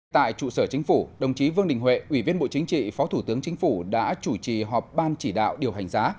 tại trụ sở chính phủ đồng chí vương đình huệ ủy viên bộ chính trị phó thủ tướng chính phủ đã chủ trì họp ban chỉ đạo điều hành giá